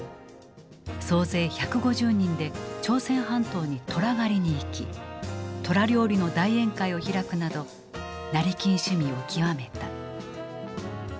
総勢１５０人で朝鮮半島に虎狩りに行き虎料理の大宴会を開くなど成金趣味を極めた。